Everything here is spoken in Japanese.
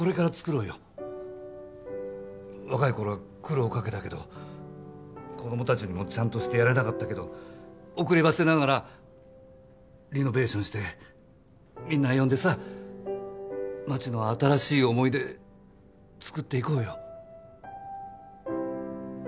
若い頃は苦労かけたけど子供たちにもちゃんとしてやれなかったけど遅ればせながらリノベーションしてみんな呼んでさ万智の新しい思い出作っていこうよ。